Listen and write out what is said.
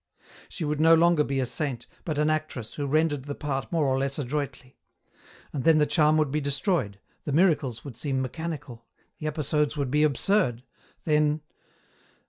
She would be no longer a saint, but an actress who rendered the part more or less adroitly ; and then the charm would be destroyed, the miracles would seem mechanical, the episodes would be absurd, then